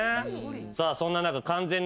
さあそんな中完全に。